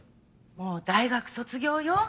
もう大学卒業よ？